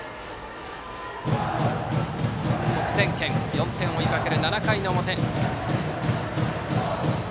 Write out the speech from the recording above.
４点を追いかける７回の表。